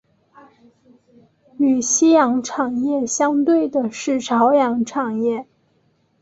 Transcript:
与夕阳产业相对的是朝阳产业。